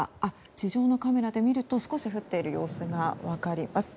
地上のカメラで見ると少し降っている様子が分かります。